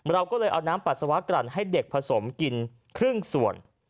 เราก็เลยเอาน้ำปัสสาวะกลั่นให้เด็กผสมกินครึ่งส่วน